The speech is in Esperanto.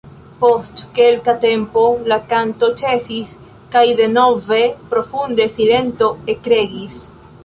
Post kelka tempo la kanto ĉesis, kaj denove profunda silento ekregis.